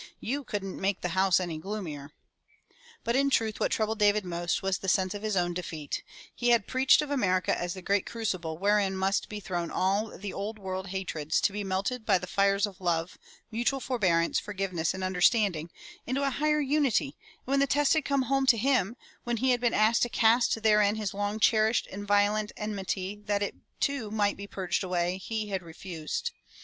You couldn't make the house any gloomier." But in truth what troubled David most was the sense of his own defeat. He had preached of America as the great crucible 2IO FROM THE TOWER WINDOW wherein must be thrown all the old world hatreds to be melted by the fires of love, mutual forbearance, forgiveness and under standing, into a higher unity, and when the test had come home to him, when he had been asked to cast therein his long cherished and violent enmity that it too might be purged away, he had refused.